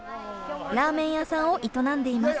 ラーメン屋さんを営んでいます。